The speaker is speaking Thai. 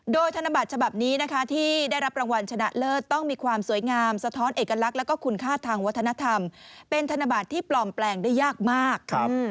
โดยธนบัตรฉบับนี้นะคะที่ได้รับรางวัลชนะเลิศต้องมีความสวยงามสะท้อนเอกลักษณ์และคุณค่าทางวัฒนธรรมเป็นธนบัตรที่ปลอมแปลงได้ยากมาก